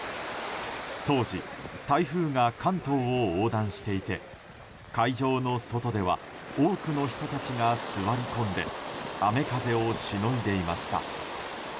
当時、台風が関東を横断していて会場の外では多くの人たちが座り込んで雨風をしのいでいました。